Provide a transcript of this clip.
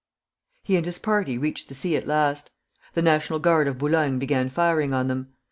He and his party reached the sea at last. The National Guard of Boulogne began firing on them.